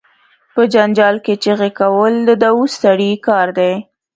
په جنجال کې چغې کول، د دووث سړی کار دي.